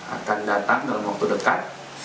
akan datang dalam waktu dekat